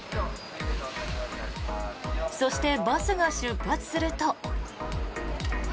そして、バスが出発すると。